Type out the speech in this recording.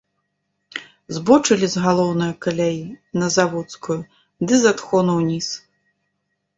Збочылі з галоўнае каляі на заводскую ды з адхону ўніз.